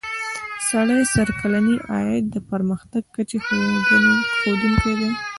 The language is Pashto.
سړي سر کلنی عاید د پرمختګ کچې ښودونکی دی.